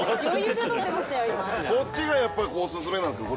こっちがやっぱりおすすめなんですか？